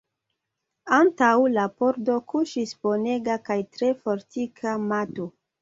Antaŭ la pordo kuŝis bonega kaj tre fortika mato.